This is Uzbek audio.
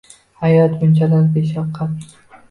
Hayot bunchalar beshavqat!